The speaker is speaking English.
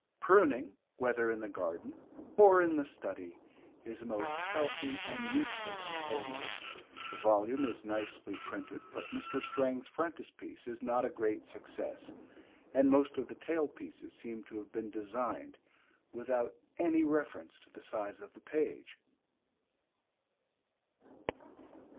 Pruning, whether in the garden or in the study, is a most healthy and useful employment. The volume is nicely printed, but Mr. Strang's frontispiece is not a great success, and most of the tail pieces seem to have been designed without any reference to the size of the page.